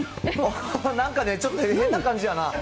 なんかね、ちょっと変な感じやな。